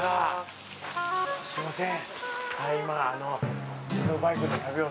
すみません。